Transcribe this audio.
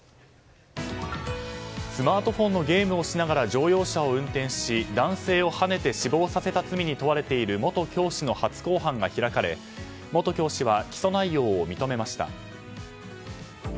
スマートフォンのゲームをしながら乗用車を運転し男性をはねて死亡させた罪に問われている元教師の初公判が開かれ元教師は起訴内容を認めました。